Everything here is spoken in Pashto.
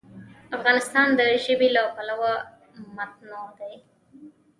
افغانستان د ژبې له پلوه متنوع دی.